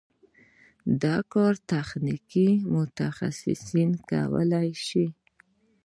دا کار تخنیکي متخصصین کولی شي.